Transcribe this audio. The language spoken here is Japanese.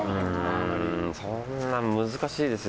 そんなん難しいですよ。